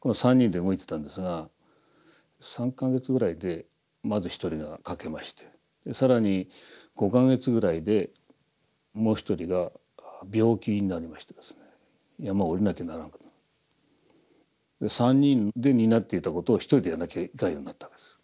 この３人で動いてたんですが３か月ぐらいでまず１人が欠けまして更に５か月ぐらいでもう一人が病気になりまして山を下りなきゃならんことになって３人で担っていたことを１人でやらなきゃいかんようになったわけです。